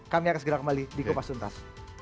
kami akan segera kembali di kupas tuntas